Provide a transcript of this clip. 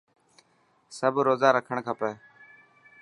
سب روزا رکڻ کپي.